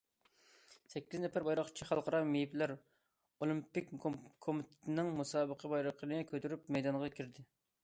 سەككىز نەپەر بايراقچى خەلقئارا مېيىپلەر ئولىمپىك كومىتېتىنىڭ مۇسابىقە بايرىقىنى كۆتۈرۈپ مەيدانغا كىردى.